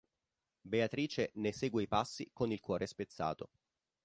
Beatrice ne segue i passi con il cuore spezzato.